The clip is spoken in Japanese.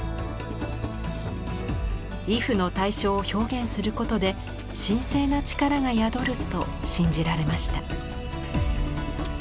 畏怖の対象を表現することで神聖な力が宿ると信じられました。